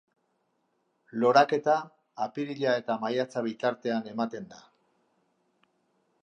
Loraketa apirila eta maiatza bitartean ematen da.